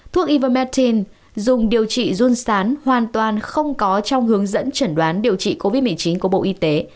thuốc iva metin dùng điều trị run sán hoàn toàn không có trong hướng dẫn chẩn đoán điều trị covid một mươi chín của bộ y tế